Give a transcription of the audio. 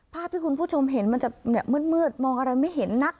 ภาพที่คุณผู้ชมเห็นมันจะมืดมองอะไรไม่เห็นนัก